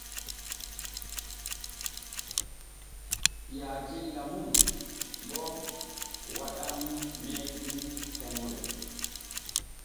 Yaajella mum bo waɗa m hemre.